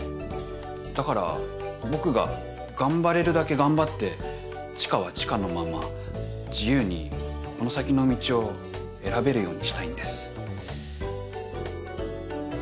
だから僕が頑張れるだけ頑張って知花は知花のまま自由にこの先の道を選べるようにしたいんです。